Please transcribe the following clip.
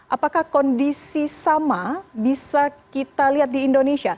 apakah kondisi sama bisa kita lihat di indonesia